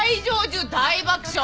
中大爆笑。